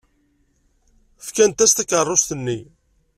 Fkant-as takeṛṛust-nni.